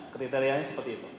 kriteriannya seperti itu